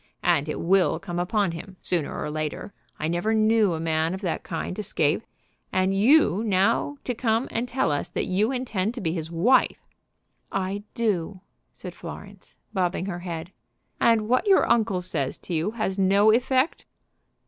And it will come upon him sooner or later. I never knew a man of that kind escape. And you now to come and tell us that you intend to be his wife!" "I do," said Florence, bobbing her head. "And what your uncle says to you has no effect?"